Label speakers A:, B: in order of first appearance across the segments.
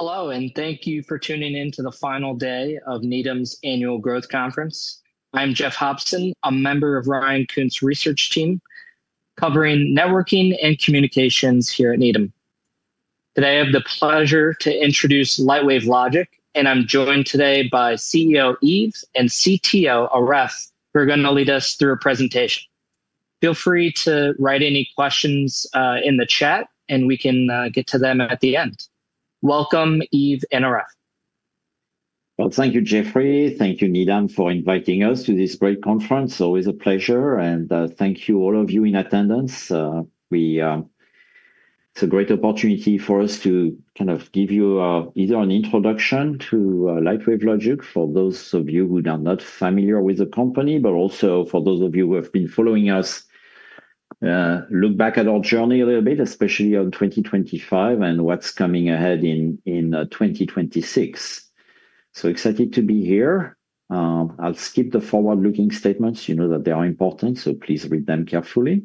A: Hello, and thank you for tuning in to the final day of Needham's annual growth conference. I'm Jeff Hobson, a member of Ryan Koontz's research team covering networking and communications here at Needham. Today, I have the pleasure to introduce Lightwave Logic, and I'm joined today by CEO Yves LeMaitre and CTO Aref Chowdhury, who are going to lead us through a presentation. Feel free to write any questions in the chat, and we can get to them at the end. Welcome, Yves LeMaitre and Aref Chowdhury.
B: Thank you, Jeff. Thank you, Needham, for inviting us to this great conference. Always a pleasure, and thank you, all of you in attendance. It's a great opportunity for us to kind of give you either an introduction to Lightwave Logic for those of you who are not familiar with the company, but also for those of you who have been following us, look back at our journey a little bit, especially on 2025 and what's coming ahead in 2026. Excited to be here. I'll skip the forward-looking statements. You know that they are important, so please read them carefully.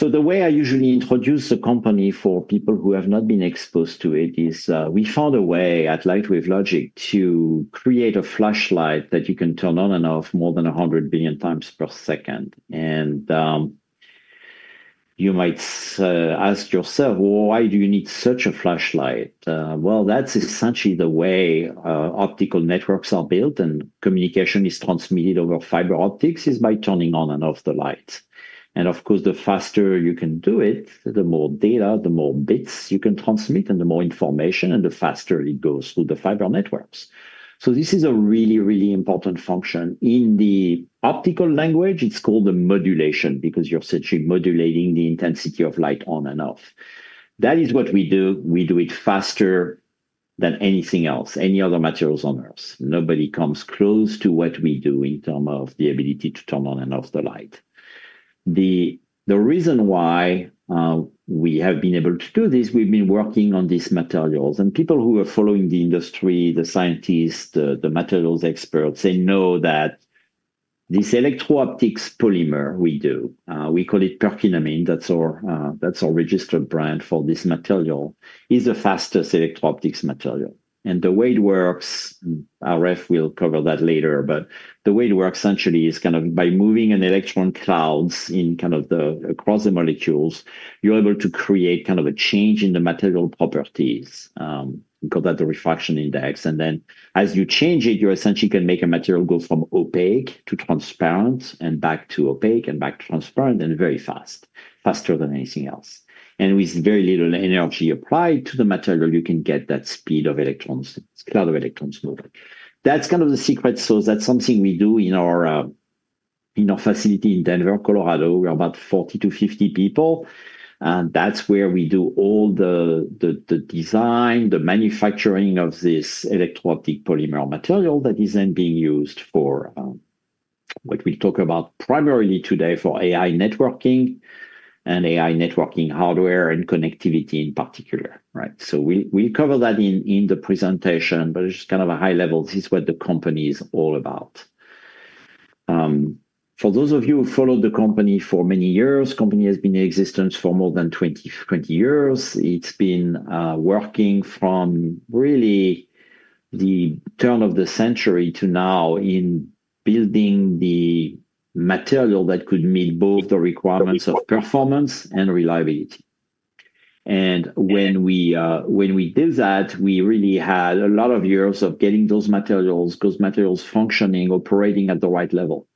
B: The way I usually introduce the company for people who have not been exposed to it is we found a way at Lightwave Logic to create a flashlight that you can turn on and off more than 100 billion times per second. And you might ask yourself, well, why do you need such a flashlight? Well, that's essentially the way optical networks are built, and communication is transmitted over fiber optics is by turning on and off the lights. And of course, the faster you can do it, the more data, the more bits you can transmit, and the more information, and the faster it goes through the fiber networks. So this is a really, really important function. In the optical language, it's called the modulation because you're essentially modulating the intensity of light on and off. That is what we do. We do it faster than anything else, any other materials on Earth. Nobody comes close to what we do in terms of the ability to turn on and off the light. The reason why we have been able to do this, we've been working on these materials, and people who are following the industry, the scientists, the materials experts, they know that this electro-optic polymer we do, we call it Perkinamine. That's our registered brand for this material, is the fastest electro-optic material. And the way it works, Aref will cover that later, but the way it works essentially is kind of by moving an electron clouds in kind of across the molecules, you're able to create kind of a change in the material properties. We call that the refractive index. And then as you change it, you essentially can make a material go from opaque to transparent and back to opaque and back to transparent and very fast, faster than anything else. With very little energy applied to the material, you can get that speed of electrons, cloud of electrons moving. That's kind of the secret sauce. That's something we do in our facility in Denver, Colorado. We're about 40-50 people. That's where we do all the design, the manufacturing of this electro-optic polymer material that is then being used for what we'll talk about primarily today for AI networking and AI networking hardware and connectivity in particular. We'll cover that in the presentation, but it's just kind of a high level. This is what the company is all about. For those of you who followed the company for many years, the company has been in existence for more than 20 years. It's been working from really the turn of the century to now in building the material that could meet both the requirements of performance and reliability. And when we did that, we really had a lot of years of getting those materials, those materials functioning, operating at the right level.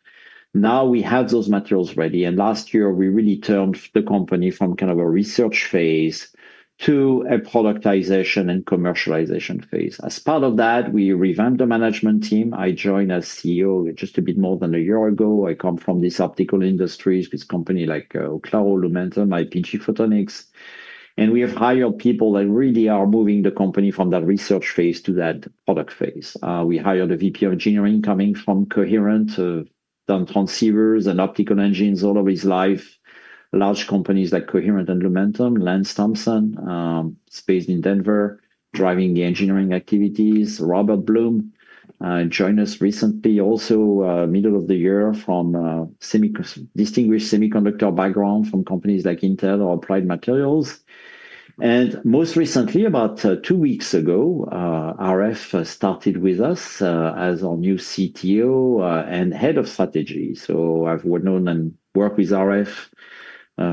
B: Now we have those materials ready. And last year, we really turned the company from kind of a research phase to a productization and commercialization phase. As part of that, we revamped the management team. I joined as CEO just a bit more than a year ago. I come from this optical industries with a company like Oclaro Lumentum, IPG Photonics. And we have hired people that really are moving the company from that research phase to that product phase. We hired a VP of engineering coming from Coherent, done transceivers and optical engines all of his life, large companies like Coherent and Lumentum, Lance Thompson, based in Denver, driving the engineering activities. Robert Blum joined us recently, also middle of the year from a distinguished semiconductor background from companies like Intel or Applied Materials. And most recently, about two weeks ago, Aref started with us as our new CTO and head of strategy. So I've known and worked with Aref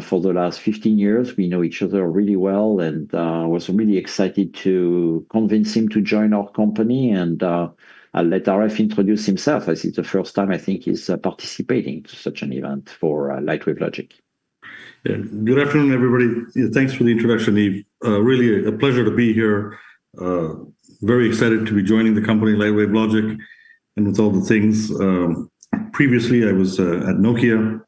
B: for the last 15 years. We know each other really well. And I was really excited to convince him to join our company. And I'll let Aref introduce himself. This is the first time, I think, he's participating to such an event for Lightwave Logic.
C: Good afternoon, everybody. Thanks for the introduction, Yves. Really a pleasure to be here. Very excited to be joining the company Lightwave Logic and with all the things. Previously, I was at Nokia.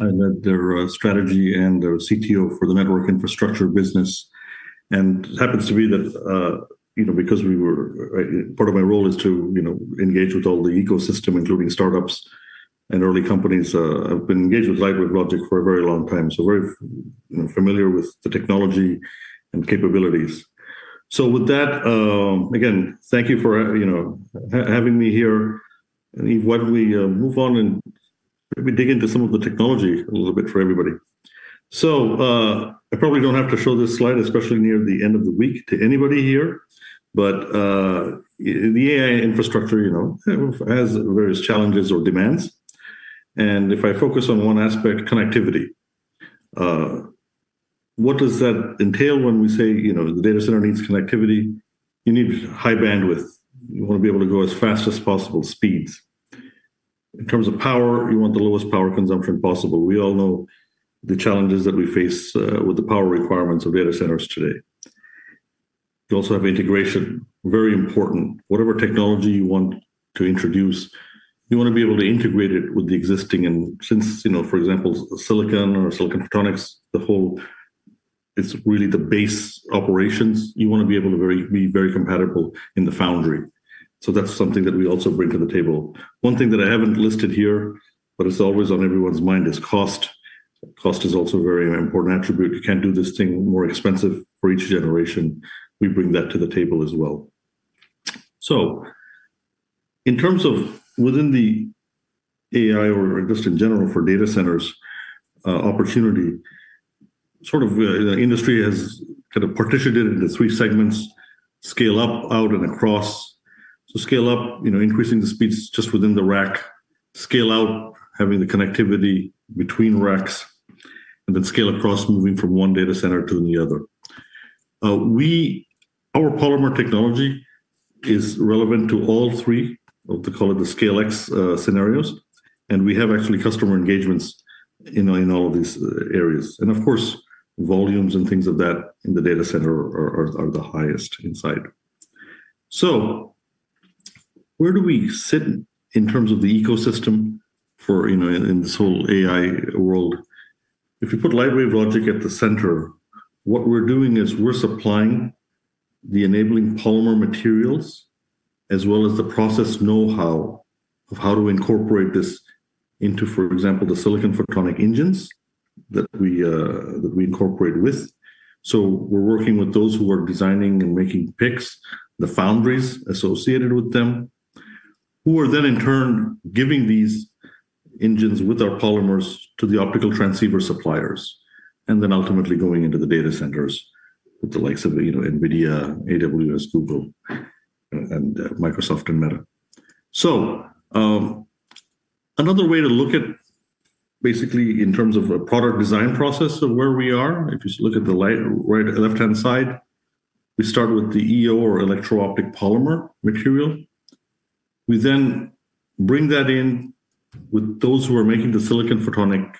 C: I led their strategy and their CTO for the network infrastructure business. And it happens to be that because we were part of my role is to engage with all the ecosystem, including startups and early companies, I've been engaged with Lightwave Logic for a very long time. So very familiar with the technology and capabilities. So with that, again, thank you for having me here. And Yves, why don't we move on and maybe dig into some of the technology a little bit for everybody. So I probably don't have to show this slide, especially near the end of the week, to anybody here. But the AI infrastructure has various challenges or demands. If I focus on one aspect, connectivity, what does that entail when we say the data center needs connectivity? You need high bandwidth. You want to be able to go as fast as possible speeds. In terms of power, you want the lowest power consumption possible. We all know the challenges that we face with the power requirements of data centers today. You also have integration. Very important. Whatever technology you want to introduce, you want to be able to integrate it with the existing, and since, for example, silicon or silicon photonics, the whole it's really the base operations. You want to be able to be very compatible in the foundry, so that's something that we also bring to the table. One thing that I haven't listed here, but it's always on everyone's mind, is cost. Cost is also a very important attribute. You can't do this thing more expensive for each generation. We bring that to the table as well, so in terms of within the AI or just in general for data centers opportunity, sort of the industry has kind of partitioned it into three segments: scale up, out, and across. Scale up, increasing the speeds just within the rack. Scale out, having the connectivity between racks, and then scale across, moving from one data center to the other. Our polymer technology is relevant to all three of the scale X scenarios, and we have actually customer engagements in all of these areas. And of course, volumes and things of that in the data center are the highest inside, so where do we sit in terms of the ecosystem in this whole AI world? If you put Lightwave Logic at the center, what we're doing is we're supplying the enabling polymer materials as well as the process know-how of how to incorporate this into, for example, the silicon photonic engines that we incorporate with. So we're working with those who are designing and making PICs, the foundries associated with them, who are then in turn giving these engines with our polymers to the optical transceiver suppliers, and then ultimately going into the data centers with the likes of NVIDIA, AWS, Google, and Microsoft and Meta. So another way to look at basically in terms of a product design process of where we are, if you look at the left-hand side, we start with the EO or electro-optic polymer material. We then bring that in with those who are making the silicon photonic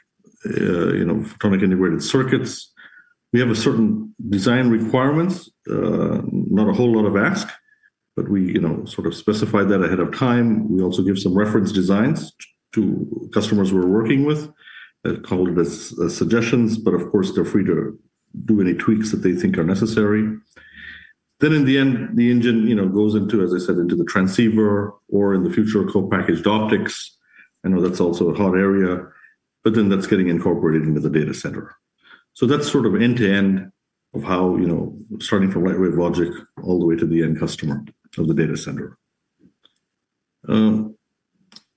C: integrated circuits. We have certain design requirements, not a whole lot of ask, but we sort of specify that ahead of time. We also give some reference designs to customers we're working with, called it as suggestions, but of course, they're free to do any tweaks that they think are necessary. Then in the end, the engine goes into, as I said, into the transceiver or in the future, co-packaged optics. I know that's also a hot area, but then that's getting incorporated into the data center, so that's sort of end-to-end of how, starting from Lightwave Logic all the way to the end customer of the data center.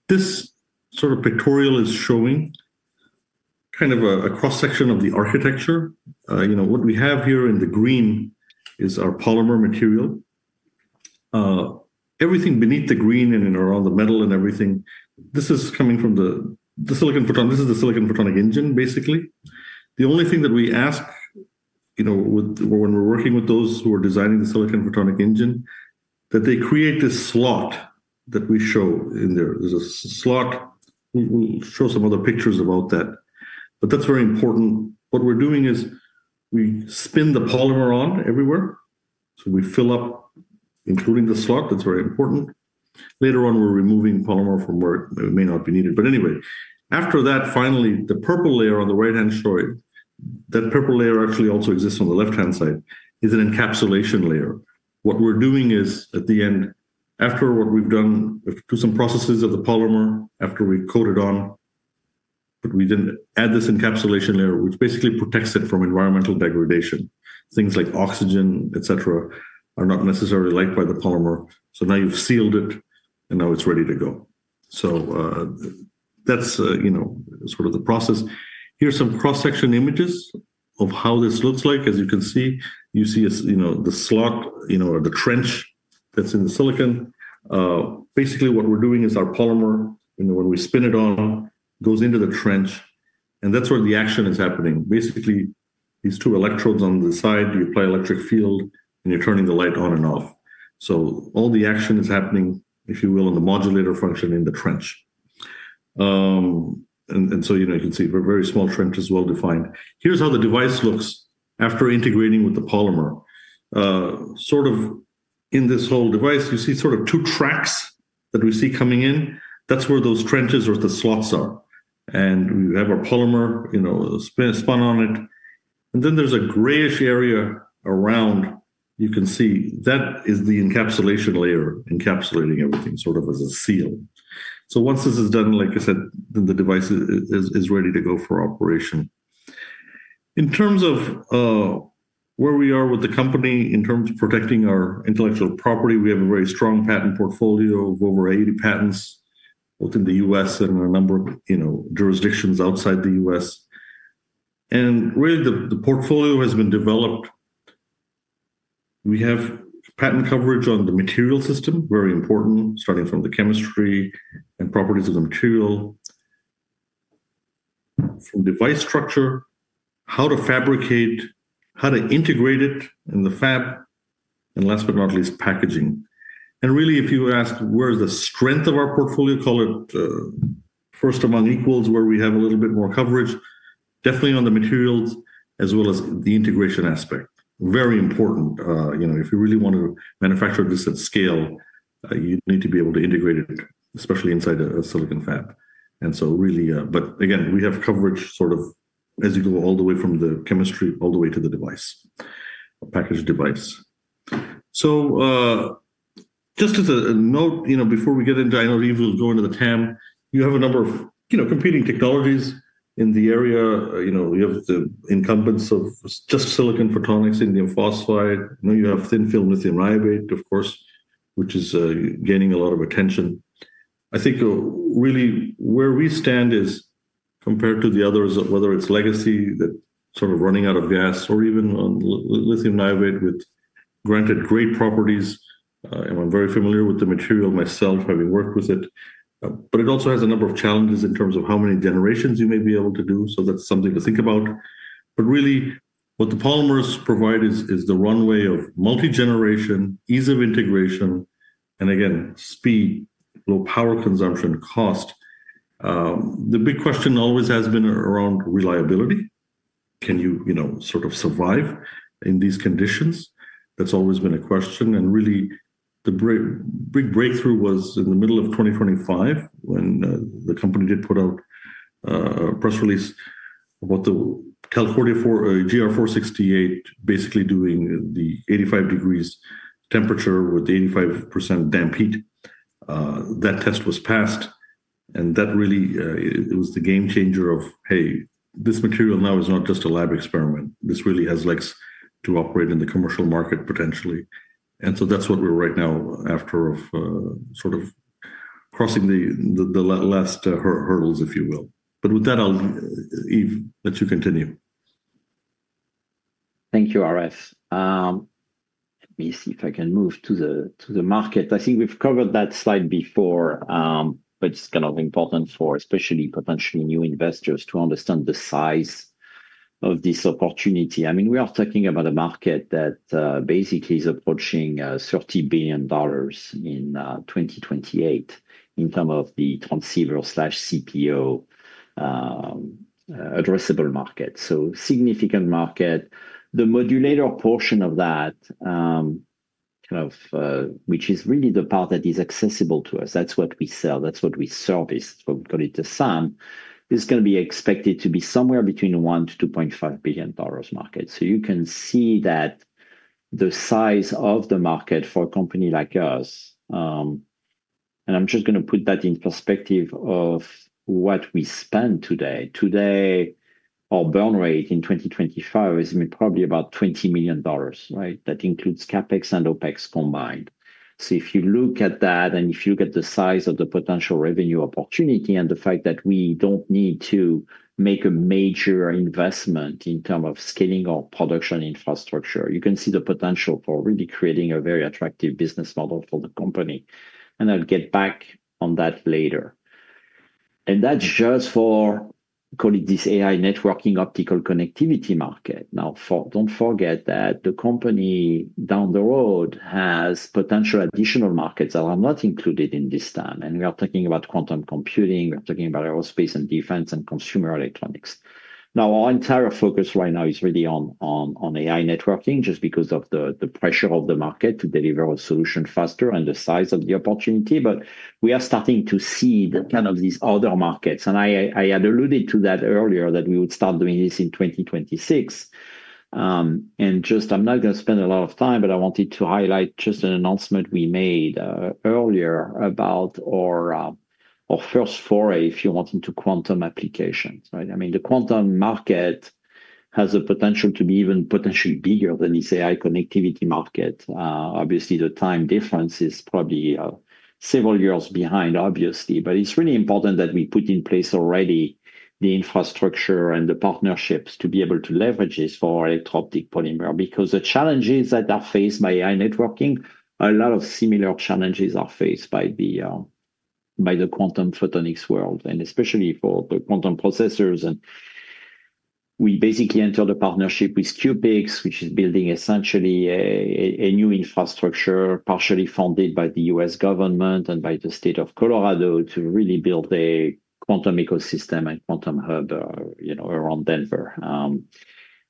C: This sort of pictorial is showing kind of a cross-section of the architecture. What we have here in the green is our polymer material. Everything beneath the green and around the metal and everything, this is coming from the silicon photonics. This is the silicon photonics engine, basically. The only thing that we ask when we're working with those who are designing the silicon photonics engine is that they create this slot that we show in there. There's a slot. We'll show some other pictures about that. But that's very important. What we're doing is we spin the polymer on everywhere. So we fill up, including the slot. That's very important. Later on, we're removing polymer from where it may not be needed. But anyway, after that, finally, the purple layer on the right-hand side, that purple layer actually also exists on the left-hand side, is an encapsulation layer. What we're doing is at the end, after what we've done, we have to do some processes of the polymer after we've coated on, but we didn't add this encapsulation layer, which basically protects it from environmental degradation. Things like oxygen, et cetera, are not necessarily liked by the polymer, so now you've sealed it, and now it's ready to go, so that's sort of the process. Here's some cross-section images of how this looks like. As you can see, you see the slot or the trench that's in the silicon. Basically, what we're doing is our polymer, when we spin it on, goes into the trench, and that's where the action is happening. Basically, these two electrodes on the side, you apply electric field, and you're turning the light on and off, so all the action is happening, if you will, in the modulator function in the trench, and so you can see a very small trench is well defined. Here's how the device looks after integrating with the polymer. Sort of in this whole device, you see sort of two tracks that we see coming in. That's where those trenches or the slots are, and we have our polymer spun on it. And then there's a grayish area around. You can see that is the encapsulation layer encapsulating everything sort of as a seal. So once this is done, like I said, then the device is ready to go for operation. In terms of where we are with the company, in terms of protecting our intellectual property, we have a very strong patent portfolio of over 80 patents both in the U.S. and a number of jurisdictions outside the U.S. And really, the portfolio has been developed. We have patent coverage on the material system, very important, starting from the chemistry and properties of the material, from device structure, how to fabricate, how to integrate it in the fab, and last but not least, packaging. Really, if you ask where's the strength of our portfolio, call it first among equals where we have a little bit more coverage, definitely on the materials as well as the integration aspect. Very important. If you really want to manufacture this at scale, you need to be able to integrate it, especially inside a silicon fab. And so really, but again, we have coverage sort of as you go all the way from the chemistry all the way to the device, packaged device. So just as a note, before we get into, I know Yves will go into the TAM, you have a number of competing technologies in the area. You have the incumbents of just silicon photonics, indium phosphide. You have thin film lithium niobate, of course, which is gaining a lot of attention. I think really where we stand is compared to the others, whether it's legacy that's sort of running out of gas or even lithium niobate, with, granted, great properties, and I'm very familiar with the material myself, having worked with it, but it also has a number of challenges in terms of how many generations you may be able to do, so that's something to think about, but really, what the polymers provide is the runway of multi-generation, ease of integration, and again, speed, low power consumption, cost. The big question always has been around reliability. Can you sort of survive in these conditions? That's always been a question, and really, the big breakthrough was in the middle of 2025 when the company did put out a press release about the GR-468 basically doing the 85 degrees temperature with the 85% damp heat. That test was passed. And that really was the game changer of, hey, this material now is not just a lab experiment. This really has legs to operate in the commercial market potentially. And so that's what we're right now after sort of crossing the last hurdles, if you will. But with that, Yves, let you continue.
B: Thank you, Aref. Let me see if I can move to the market. I think we've covered that slide before, but it's kind of important for especially potentially new investors to understand the size of this opportunity. I mean, we are talking about a market that basically is approaching $30 billion in 2028 in terms of the transceiver/CPO addressable market. So significant market. The modulator portion of that, kind of which is really the part that is accessible to us, that's what we sell, that's what we service, what we call it the SAM, is going to be expected to be somewhere between $1-$2.5 billion market. So you can see that the size of the market for a company like us, and I'm just going to put that in perspective of what we spend today. Today, our burn rate in 2025 is probably about $20 million, right? That includes CapEx and OpEx combined. So if you look at that and if you look at the size of the potential revenue opportunity and the fact that we don't need to make a major investment in terms of scaling our production infrastructure, you can see the potential for really creating a very attractive business model for the company. And I'll get back on that later. And that's just for, call it this AI networking optical connectivity market. Now, don't forget that the company down the road has potential additional markets that are not included in this TAM. And we are talking about quantum computing. We're talking about aerospace and defense and consumer electronics. Now, our entire focus right now is really on AI networking just because of the pressure of the market to deliver a solution faster and the size of the opportunity. But we are starting to see kind of these other markets. And I had alluded to that earlier that we would start doing this in 2026. And just I'm not going to spend a lot of time, but I wanted to highlight just an announcement we made earlier about our first foray into quantum applications, right? I mean, the quantum market has the potential to be even potentially bigger than this AI connectivity market. Obviously, the time difference is probably several years behind, obviously. But it's really important that we put in place already the infrastructure and the partnerships to be able to leverage this for our electro-optic polymer. Because the challenges that are faced by AI networking, a lot of similar challenges are faced by the quantum photonics world, and especially for the quantum processors. We basically entered a partnership with Elevate Quantum, which is building essentially a new infrastructure partially funded by the U.S. government and by the state of Colorado to really build a quantum ecosystem and quantum hub around Denver.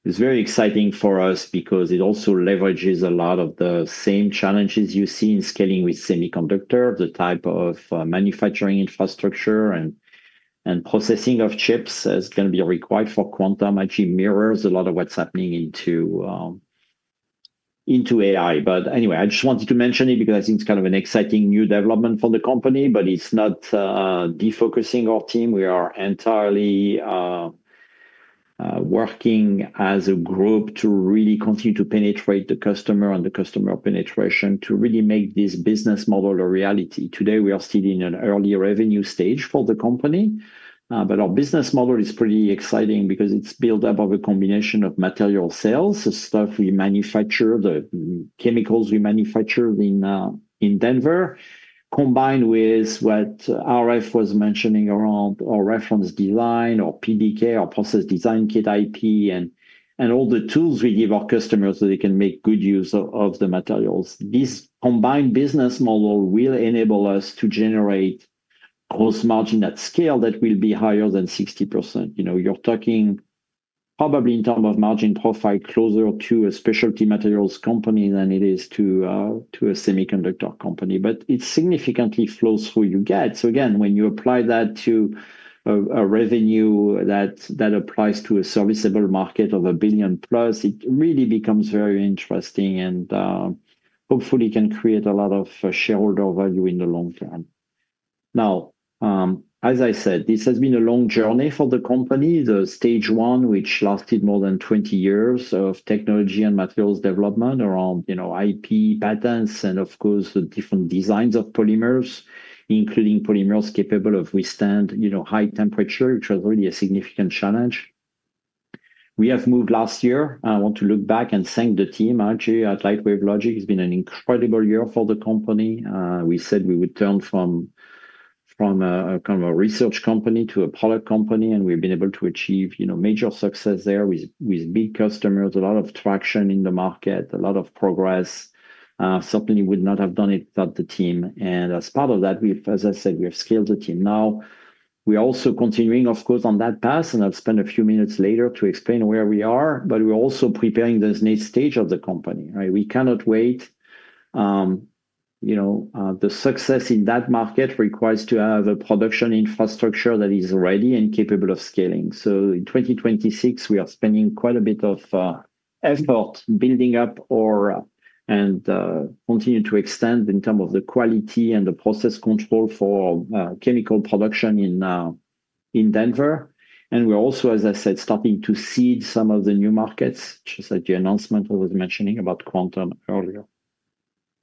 B: It's very exciting for us because it also leverages a lot of the same challenges you see in scaling with semiconductors, the type of manufacturing infrastructure and processing of chips that's going to be required for quantum actually mirrors a lot of what's happening into AI. But anyway, I just wanted to mention it because I think it's kind of an exciting new development for the company, but it's not defocusing our team. We are entirely working as a group to really continue to penetrate the customer and the customer penetration to really make this business model a reality. Today, we are still in an early revenue stage for the company. But our business model is pretty exciting because it's built up of a combination of material sales, the stuff we manufacture, the chemicals we manufacture in Denver, combined with what Aref was mentioning around our reference design, our PDK, our process design kit IP, and all the tools we give our customers so they can make good use of the materials. This combined business model will enable us to generate gross margin at scale that will be higher than 60%. You're talking probably in terms of margin profile closer to a specialty materials company than it is to a semiconductor company. But it significantly flows through you get. So again, when you apply that to a revenue that applies to a serviceable market of a billion plus, it really becomes very interesting and hopefully can create a lot of shareholder value in the long term. Now, as I said, this has been a long journey for the company, the stage one, which lasted more than 20 years of technology and materials development around IP patents and, of course, the different designs of polymers, including polymers capable of withstanding high temperature, which was really a significant challenge. We have moved last year. I want to look back and thank the team. Actually, at Lightwave Logic, it's been an incredible year for the company. We said we would turn from kind of a research company to a product company. And we've been able to achieve major success there with big customers, a lot of traction in the market, a lot of progress. Certainly, we would not have done it without the team. And as part of that, as I said, we have scaled the team. Now, we are also continuing, of course, on that path. And I'll spend a few minutes later to explain where we are. But we're also preparing the next stage of the company. We cannot wait. The success in that market requires to have a production infrastructure that is ready and capable of scaling. So in 2026, we are spending quite a bit of effort building up our. And continue to extend in terms of the quality and the process control for chemical production in Denver. And we're also, as I said, starting to seed some of the new markets, just like the announcement I was mentioning about quantum earlier.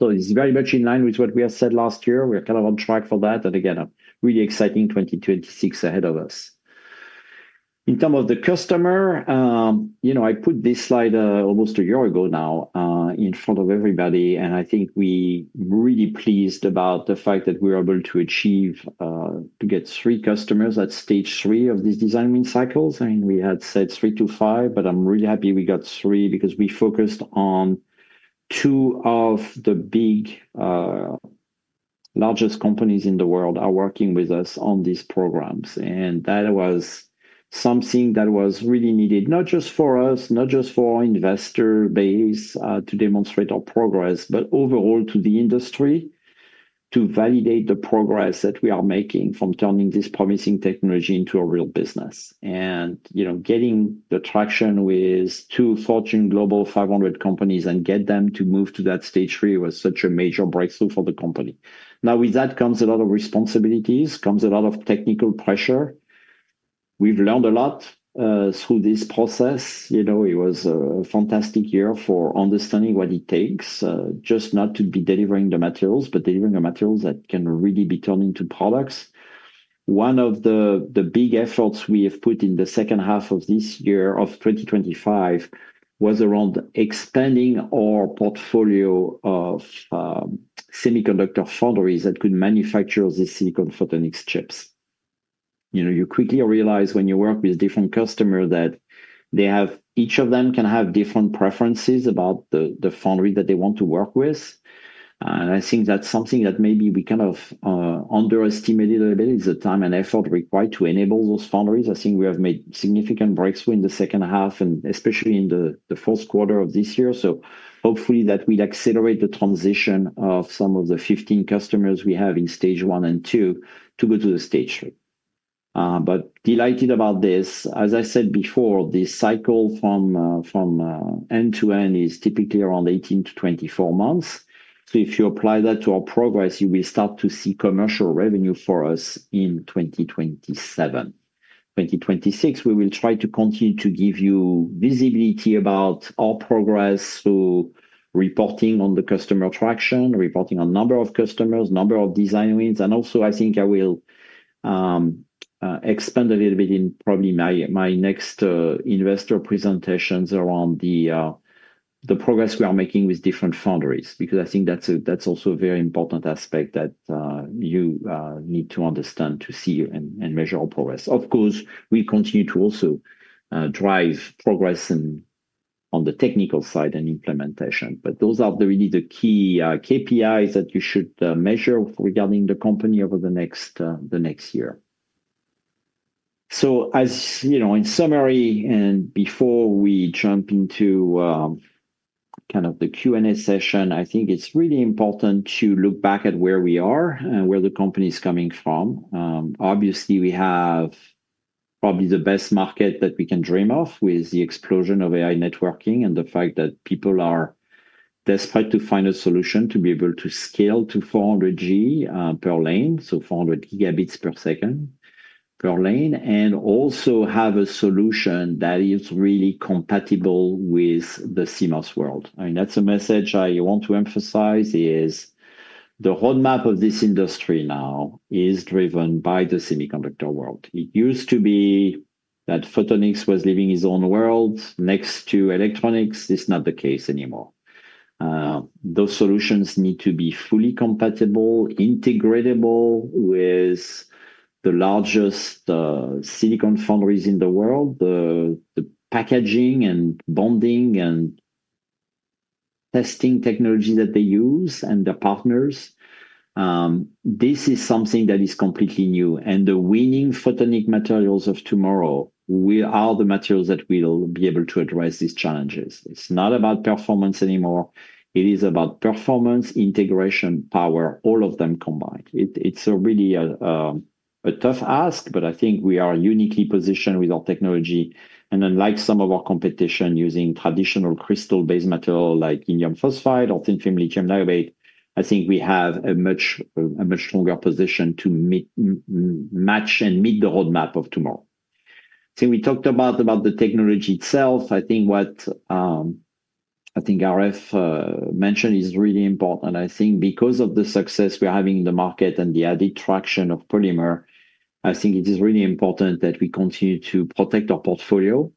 B: So it's very much in line with what we have said last year. We're kind of on track for that. And again, a really exciting 2026 ahead of us. In terms of the customer, I put this slide almost a year ago now in front of everybody. I think we're really pleased about the fact that we were able to achieve to get three customers at stage three of these design win cycles. I mean, we had said three to five, but I'm really happy we got three because we focused on two of the biggest companies in the world are working with us on these programs. That was something that was really needed, not just for us, not just for our investor base to demonstrate our progress, but overall to the industry to validate the progress that we are making from turning this promising technology into a real business. Getting the traction with two Fortune Global 500 companies and get them to move to that stage three was such a major breakthrough for the company. Now, with that comes a lot of responsibilities, comes a lot of technical pressure. We've learned a lot through this process. It was a fantastic year for understanding what it takes just not to be delivering the materials, but delivering the materials that can really be turned into products. One of the big efforts we have put in the second half of this year of 2025 was around expanding our portfolio of semiconductor foundries that could manufacture these silicon photonics chips. You quickly realize when you work with different customers that each of them can have different preferences about the foundry that they want to work with, and I think that's something that maybe we kind of underestimated a little bit is the time and effort required to enable those foundries. I think we have made significant breakthrough in the second half, and especially in the fourth quarter of this year. So hopefully that will accelerate the transition of some of the 15 customers we have in stage one and two to go to the stage three. But delighted about this. As I said before, the cycle from end to end is typically around 18-24 months. So if you apply that to our progress, you will start to see commercial revenue for us in 2027. 2026, we will try to continue to give you visibility about our progress through reporting on the customer traction, reporting on number of customers, number of design wins. And also, I think I will expand a little bit in probably my next investor presentations around the progress we are making with different foundries. Because I think that's also a very important aspect that you need to understand to see and measure our progress. Of course, we continue to also drive progress on the technical side and implementation. But those are really the key KPIs that you should measure regarding the company over the next year. So in summary, and before we jump into kind of the Q&A session, I think it's really important to look back at where we are and where the company is coming from. Obviously, we have probably the best market that we can dream of with the explosion of AI networking and the fact that people are desperate to find a solution to be able to scale to 400G per lane, so 400 gigabits per second per lane, and also have a solution that is really compatible with the CMOS world. I mean, that's a message I want to emphasize is the roadmap of this industry now is driven by the semiconductor world. It used to be that photonics was living its own world next to electronics. It's not the case anymore. Those solutions need to be fully compatible, integratable with the largest silicon foundries in the world, the packaging and bonding and testing technology that they use and their partners. This is something that is completely new. And the winning photonic materials of tomorrow are the materials that will be able to address these challenges. It's not about performance anymore. It is about performance, integration, power, all of them combined. It's really a tough ask, but I think we are uniquely positioned with our technology. And unlike some of our competition using traditional crystal-based material like indium phosphide or thin film lithium niobate, I think we have a much stronger position to match and meet the roadmap of tomorrow. I think we talked about the technology itself. I think what I think Aref mentioned is really important. I think because of the success we're having in the market and the added traction of polymer, I think it is really important that we continue to protect our portfolio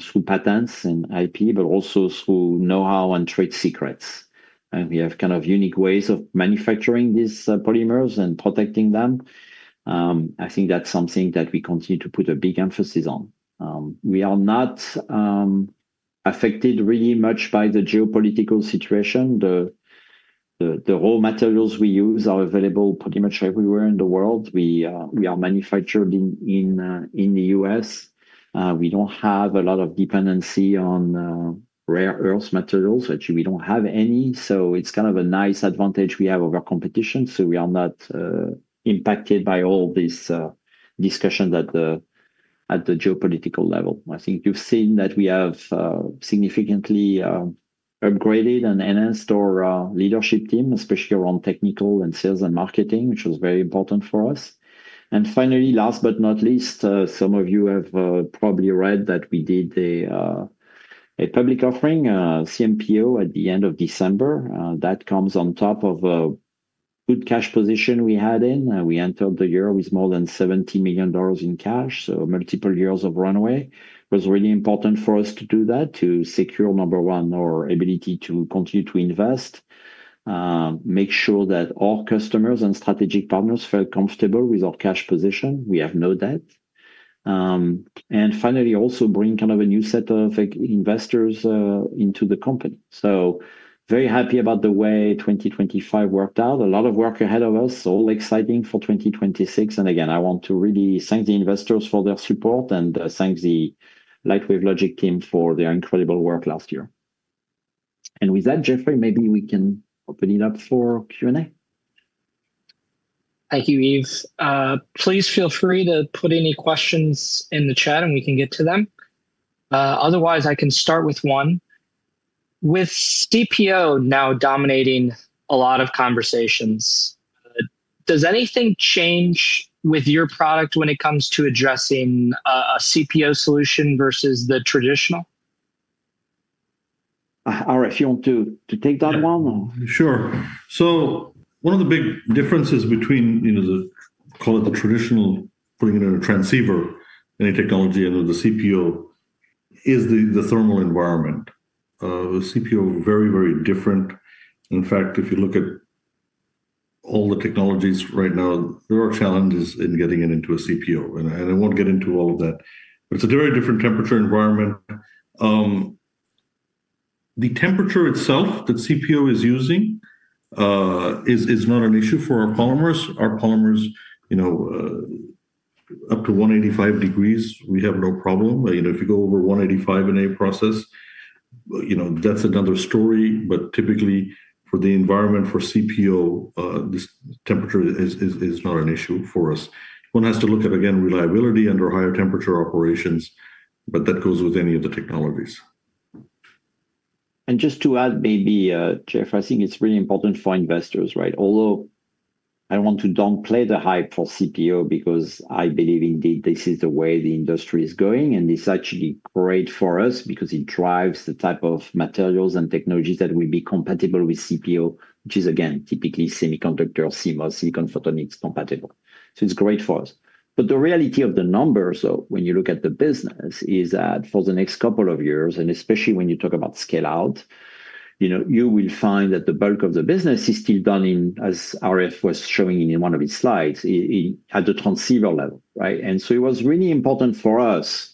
B: through patents and IP, but also through know-how and trade secrets. And we have kind of unique ways of manufacturing these polymers and protecting them. I think that's something that we continue to put a big emphasis on. We are not affected really much by the geopolitical situation. The raw materials we use are available pretty much everywhere in the world. We are manufactured in the U.S. We don't have a lot of dependency on rare earth materials. Actually, we don't have any. So it's kind of a nice advantage we have over competition. So we are not impacted by all this discussion at the geopolitical level. I think you've seen that we have significantly upgraded and enhanced our leadership team, especially around technical and sales and marketing, which was very important for us. Finally, last but not least, some of you have probably read that we did a public offering, CMPO, at the end of December. That comes on top of a good cash position 2024. We entered the year with more than $70 million in cash. So multiple years of runway was really important for us to do that, to secure, number one, our ability to continue to invest, make sure that our customers and strategic partners felt comfortable with our cash position. We have no debt and finally also bring kind of a new set of investors into the company. So very happy about the way 2025 worked out. A lot of work ahead of us. All exciting for 2026. Again, I want to really thank the investors for their support and thank the Lightwave Logic team for their incredible work last year. With that, Jeff, maybe we can open it up for Q&A.
A: Thank you, Yves. Please feel free to put any questions in the chat and we can get to them. Otherwise, I can start with one. With CPO now dominating a lot of conversations, does anything change with your product when it comes to addressing a CPO solution versus the traditional?
B: Aref, you want to take that one?
C: Sure. So one of the big differences between the, call it the traditional, putting it in a transceiver, any technology under the CPO is the thermal environment. The CPO is very, very different. In fact, if you look at all the technologies right now, there are challenges in getting it into a CPO. And I won't get into all of that. But it's a very different temperature environment. The temperature itself that CPO is using is not an issue for our polymers. Our polymers, up to 185 degrees, we have no problem. If you go over 185 in a process, that's another story. But typically, for the environment for CPO, this temperature is not an issue for us. One has to look at, again, reliability under higher temperature operations. But that goes with any of the technologies.
B: Just to add, maybe, Jeff, I think it's really important for investors, right? Although I don't want to play the hype for CPO because I believe indeed this is the way the industry is going, and it's actually great for us because it drives the type of materials and technologies that will be compatible with CPO, which is, again, typically semiconductor, CMOS, silicon photonics compatible, so it's great for us, but the reality of the numbers, though, when you look at the business, is that for the next couple of years, and especially when you talk about scale-out, you will find that the bulk of the business is still done in, as Aref was showing in one of his slides, at the transceiver level, and so it was really important for us.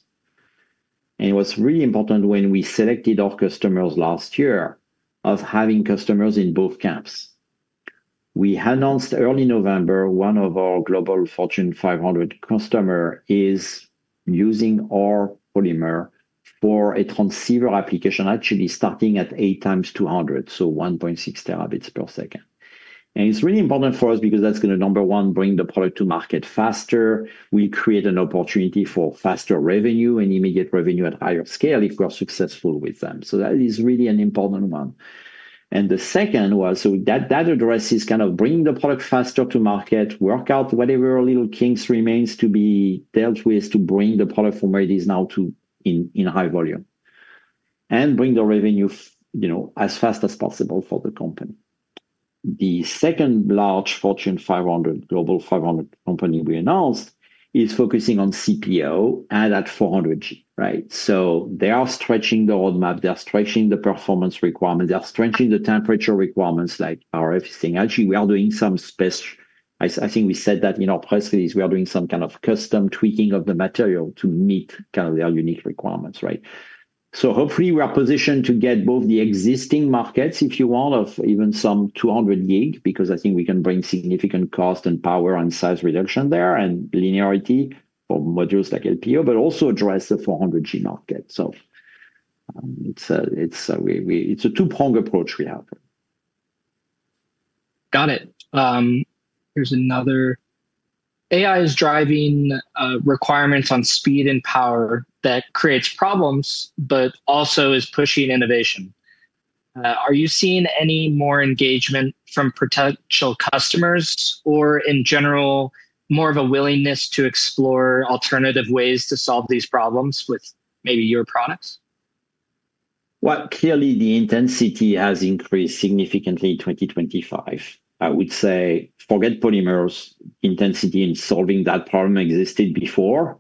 B: It was really important when we selected our customers last year of having customers in both camps. We announced early November, one of our global Fortune 500 customers is using our polymer for a transceiver application, actually starting at eight times 200, so 1.6 terabits per second. It's really important for us because that's going to, number one, bring the product to market faster. We create an opportunity for faster revenue and immediate revenue at higher scale if we are successful with them. That is really an important one. The second was, so that addresses kind of bringing the product faster to market, work out whatever little kinks remains to be dealt with to bring the product from where it is now to in high volume, and bring the revenue as fast as possible for the company. The second large Fortune 500, Global 500 company we announced is focusing on CPO and at 400G. So they are stretching the roadmap. They're stretching the performance requirements. They're stretching the temperature requirements like Aref is saying. Actually, we are doing some special, I think we said that in our press release, we are doing some kind of custom tweaking of the material to meet kind of their unique requirements. So hopefully, we are positioned to get both the existing markets, if you want, of even some 200 gig, because I think we can bring significant cost and power and size reduction there and linearity for modules like LPO, but also address the 400G market. So it's a two-pronged approach we have.
A: Got it. Here's another. AI is driving requirements on speed and power that creates problems, but also is pushing innovation. Are you seeing any more engagement from potential customers or, in general, more of a willingness to explore alternative ways to solve these problems with maybe your products?
B: Clearly, the intensity has increased significantly in 2025. I would say forget polymers. Intensity in solving that problem existed before.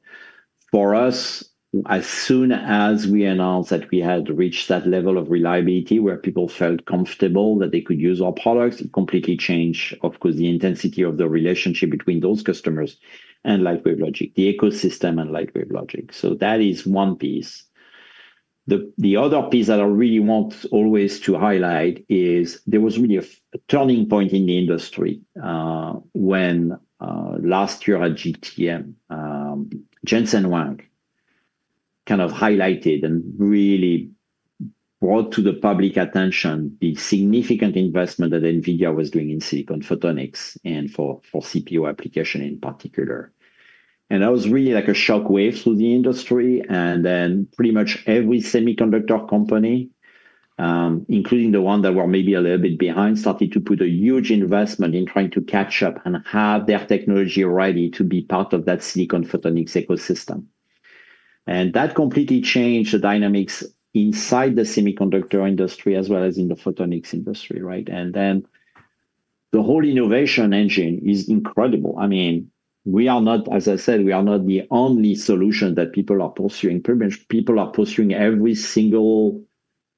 B: For us, as soon as we announced that we had reached that level of reliability where people felt comfortable that they could use our products, it completely changed, of course, the intensity of the relationship between those customers and Lightwave Logic, the ecosystem and Lightwave Logic. That is one piece. The other piece that I really want always to highlight is there was really a turning point in the industry when last year at GTC, Jensen Huang kind of highlighted and really brought to the public attention the significant investment that NVIDIA was doing in silicon photonics and for CPO application in particular. That was really like a shockwave through the industry. And then pretty much every semiconductor company, including the one that were maybe a little bit behind, started to put a huge investment in trying to catch up and have their technology ready to be part of that silicon photonics ecosystem. And that completely changed the dynamics inside the semiconductor industry as well as in the photonics industry. And then the whole innovation engine is incredible. I mean, we are not, as I said, we are not the only solution that people are pursuing. People are pursuing every single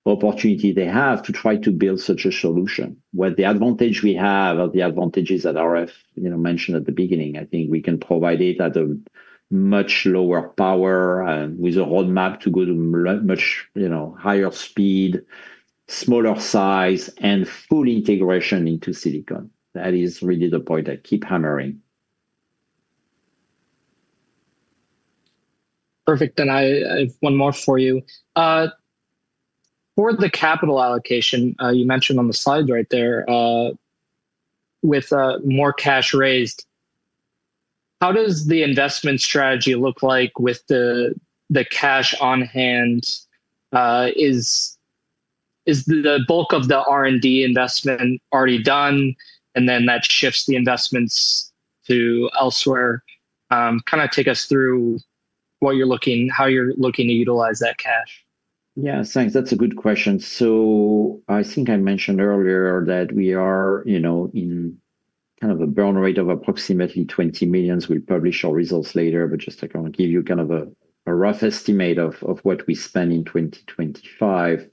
B: opportunity they have to try to build such a solution. What the advantage we have are the advantages that Aref mentioned at the beginning. I think we can provide it at a much lower power with a roadmap to go to much higher speed, smaller size, and full integration into silicon. That is really the point I keep hammering.
A: Perfect, and I have one more for you. For the capital allocation, you mentioned on the slide right there, with more cash raised, how does the investment strategy look like with the cash on hand? Is the bulk of the R&D investment already done, and then that shifts the investments to elsewhere. Kind of take us through what you're looking, how you're looking to utilize that cash.
B: Yeah, thanks. That's a good question. So I think I mentioned earlier that we are in kind of a burn rate of approximately $20 million. We'll publish our results later, but just to kind of give you kind of a rough estimate of what we spend in 2025,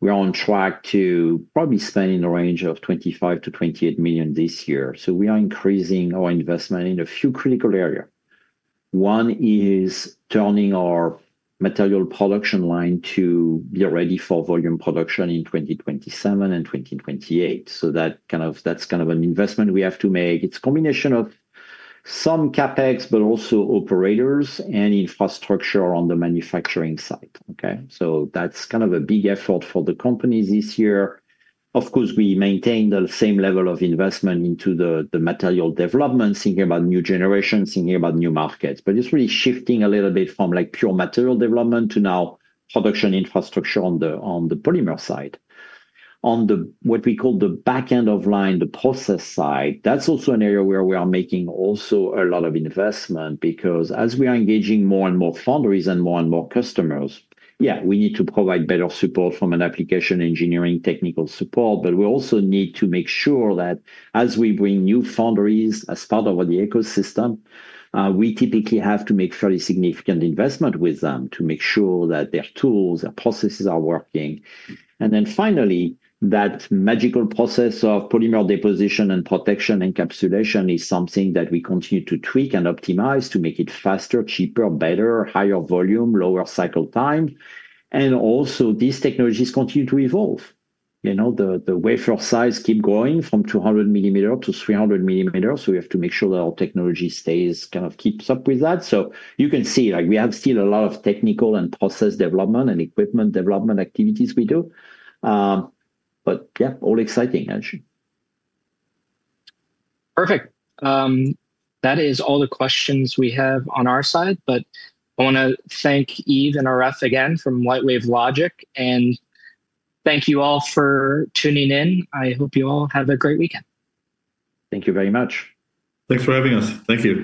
B: we are on track to probably spend in the range of $25 million-$28 million this year. So we are increasing our investment in a few critical areas. One is turning our material production line to be ready for volume production in 2027 and 2028. So that's kind of an investment we have to make. It's a combination of some CapEx, but also operators and infrastructure on the manufacturing side. So that's kind of a big effort for the companies this year. Of course, we maintain the same level of investment into the material development, thinking about new generation, thinking about new markets. But it's really shifting a little bit from pure material development to now production infrastructure on the polymer side. On what we call the back end of line, the process side, that's also an area where we are making also a lot of investment because as we are engaging more and more foundries and more and more customers, yeah, we need to provide better support from an application engineering technical support. But we also need to make sure that as we bring new foundries as part of the ecosystem, we typically have to make fairly significant investment with them to make sure that their tools, their processes are working. And then finally, that magical process of polymer deposition and protection encapsulation is something that we continue to tweak and optimize to make it faster, cheaper, better, higher volume, lower cycle time. And also these technologies continue to evolve. The wafer size keeps growing from 200 millimeters to 300 millimeters. So we have to make sure that our technology kind of keeps up with that. So you can see we have still a lot of technical and process development and equipment development activities we do. But yeah, all exciting, actually.
A: Perfect. That is all the questions we have on our side, but I want to thank Yves and Aref again from Lightwave Logic, and thank you all for tuning in. I hope you all have a great weekend.
B: Thank you very much.
C: Thanks for having us. Thank you.